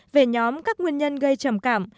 về nhóm các nguyên nhân gây trầm cảm